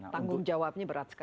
tanggung jawabnya berat sekali